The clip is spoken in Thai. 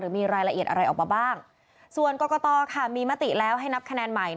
มีรายละเอียดอะไรออกมาบ้างส่วนกรกตค่ะมีมติแล้วให้นับคะแนนใหม่